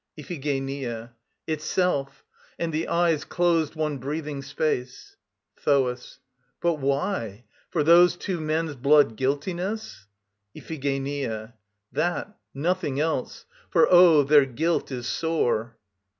IPHIGENIA. Itself. And the eyes closed one breathing space. THOAS. But why? For those two men's bloodguiltiness? IPHIGENIA. That, nothing else. For, Oh, their guilt is sore.